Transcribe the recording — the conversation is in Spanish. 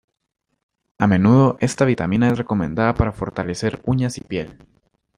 A menudo esta vitamina es recomendada para fortalecer uñas y piel.